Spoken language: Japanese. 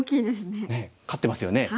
ねえ勝ってますよね。